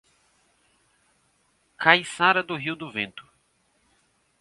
Caiçara do Rio do Vento